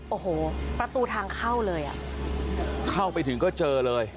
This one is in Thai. โอ้โหประตูทางเข้าเลยอ่ะเข้าไปถึงก็เจอเลย